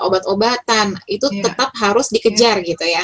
obat obatan itu tetap harus dikejar